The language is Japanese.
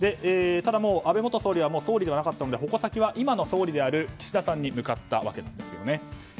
ただ、もう安倍元総理は総理ではなかったので矛先は今の総理である岸田さんに向かったわけですよね。